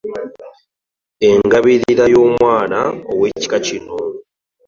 Engabirira yomwana owekika kino .